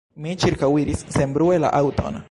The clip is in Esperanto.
Mi ĉirkaŭiris senbrue la aŭton.